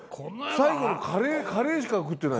最後のカレーカレーしか食ってない。